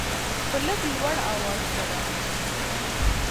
په لږ لوړ اواز سره